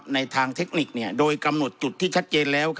ในทางเทคนิคโดยกำหนดจุดที่ชัดเจนแล้ว